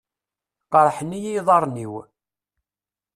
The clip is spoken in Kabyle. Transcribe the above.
Qerrḥen-iyi iḍarren-iw.